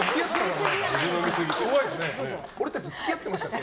俺たち付き合ってましたっけ？